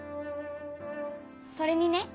それにね。